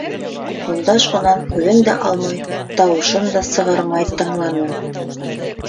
Юлдаш унан күҙен дә алмай, тауышын да сығармай тыңланы.